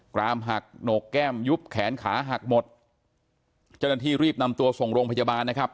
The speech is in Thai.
รามหักโหนกแก้มยุบแขนขาหักหมดเจ้าหน้าที่รีบนำตัวส่งโรงพยาบาลนะครับ